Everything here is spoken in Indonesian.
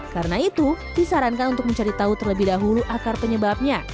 karena itu disarankan untuk mencari tahu terlebih dahulu akar penyebabnya